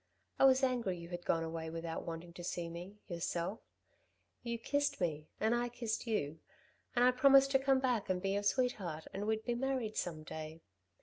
I was angry you had gone away without wanting to see me, yourself.... You kissed me and I kissed you, and I promised to come back and be your sweetheart and we'd be married some day....